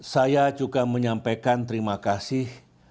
saya juga menyampaikan terima kasih